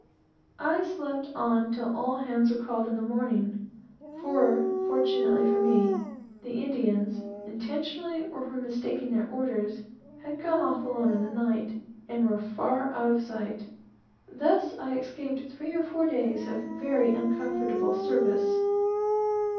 I slept on till all hands were called in the morning; for, fortunately for me, the Indians, intentionally, or from mistaking their orders, had gone off alone in the night, and were far out of sight. Thus I escaped three or four days of very uncomfortable service.